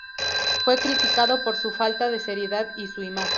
Fue criticado por su falta de seriedad y su imagen.